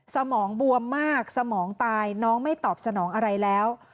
สมองบวมมากสมองตายน้องไม่ตอบสนองอะไรแล้ว